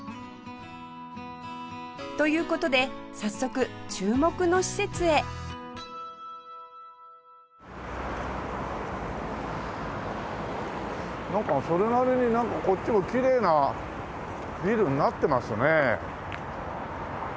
という事で早速注目の施設へなんかそれなりにこっちもきれいなビルになってますね。